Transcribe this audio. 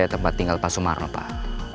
tempat tinggal pak sumarno pak